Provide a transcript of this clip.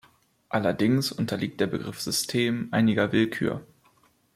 Allerdings unterliegt der Begriff System einiger Willkür.